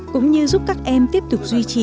cũng như giúp các em tiếp tục duy trì